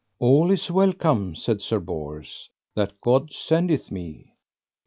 All is welcome, said Sir Bors, that God sendeth me.